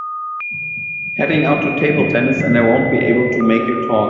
Heading out to table tennis and I won’t be able to make your talk.